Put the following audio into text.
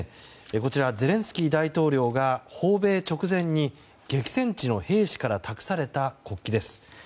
こちらはゼレンスキー大統領が訪米直前に激戦地の兵士から託された国旗です。